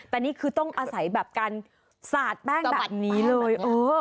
แต่นี่คือต้องอาศัยแบบการสาดแป้งแบบนี้เลย